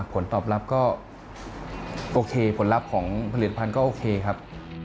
ผลตอบรับก็โอเคผลลัพธ์ของผลิตภัณฑ์ก็โอเคครับ